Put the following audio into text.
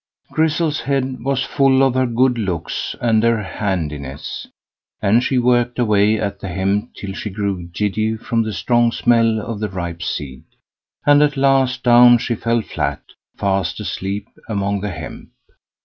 Grizzel's head was full of her good looks and her handiness, and she worked away at the hemp till she grew giddy from the strong smell of the ripe seed, and at last down she fell flat, fast asleep among the hemp.